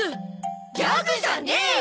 ギャグじゃねえよ！